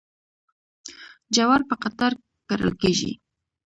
جوار په قطار کرل کیږي.